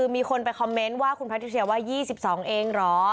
มีคนไปคอมเมนต์ว่าคุณแพทิเชียว่า๒๒เองเหรอ